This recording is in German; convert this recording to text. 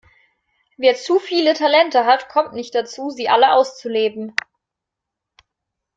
Wer zu viele Talente hat, kommt nicht dazu, sie alle auszuleben.